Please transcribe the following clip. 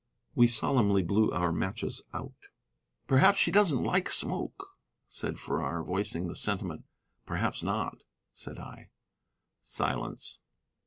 We solemnly blew our matches out. "Perhaps she doesn't like smoke," said Farrar, voicing the sentiment. "Perhaps not," said I. Silence.